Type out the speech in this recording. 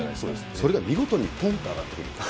それが見事にぽんと上がってくる。